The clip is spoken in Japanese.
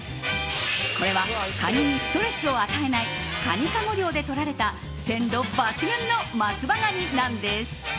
これはカニにストレスを与えないカニカゴ漁でとられた鮮度抜群の松葉ガニなんです。